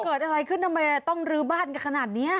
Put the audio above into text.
เกิดอะไรขึ้นทำไมต้องลื้อบ้านกันขนาดนี้